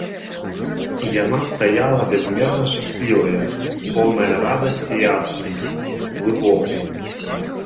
І яна стаяла бязмерна шчаслівая, поўная радасці яснай, глыбокай.